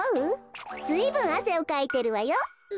ずいぶんあせをかいてるわよ。